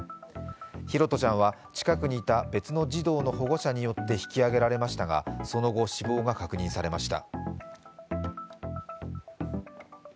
拓杜ちゃんは近くにいた別の児童の保護者によって引き上げられましたがその後、死亡が確認されました。